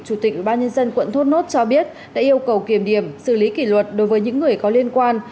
ubnd quận thôn nốt cho biết đã yêu cầu kiềm điểm xử lý kỷ luật đối với những người có liên quan